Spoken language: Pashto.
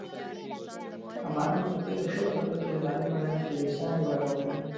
افغانانو په تېرو شلو کلونوکې د تعلیم په ډګر کې بې ساري وده وکړله.